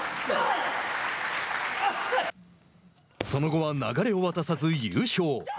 その後は流れを渡さず優勝。